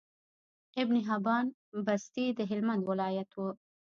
ابن حبان بستي د هلمند ولايت وو